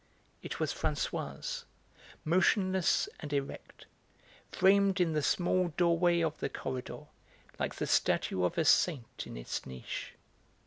It was Françoise, motionless and erect, framed in the small doorway of the corridor like the statue of a saint in its niche.